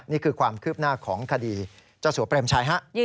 นี่คือความคืบหน้าของคดีเจ้าสัวเปรมชัยฮะ